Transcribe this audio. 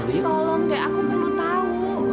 tolong dre aku perlu tahu